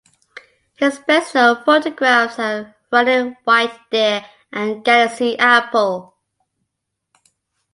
His best known photographs are "Running White Deer" and "Galaxy Apple.